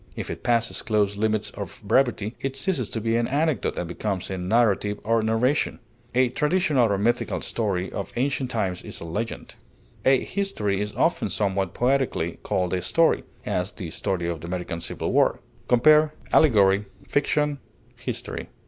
If it passes close limits of brevity, it ceases to be an anecdote, and becomes a narrative or narration. A traditional or mythical story of ancient times is a legend. A history is often somewhat poetically called a story; as, the story of the American civil war. Compare ALLEGORY; FICTION; HISTORY.